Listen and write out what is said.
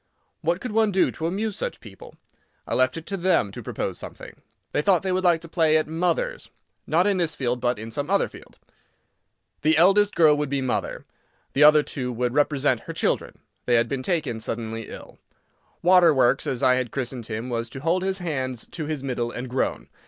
What could one do to amuse such people? I left it to them to propose something. They thought they would like to play at "Mothers"—not in this field, but in some other field. The eldest girl would be mother. The other two would represent her children. They had been taken suddenly ill. "Waterworks," as I had christened him, was to hold his hands to his middle and groan.